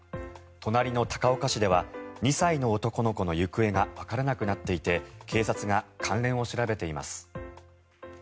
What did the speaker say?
隣の高岡市では２歳の男の子の行方がわからなくなっていて警察が関連を調べています。